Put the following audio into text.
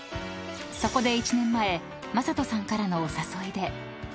［そこで１年前魔裟斗さんからのお誘いで］